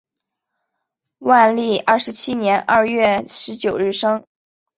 万历二十七年二月十九日生。